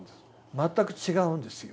全く違うんですよ。